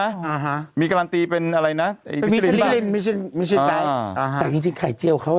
อ่าฮะมีการันตีเป็นอะไรนะมิชลินมิชลินมิชลินอ่าฮะแต่จริงจริงไข่เจียวเขาอ่ะ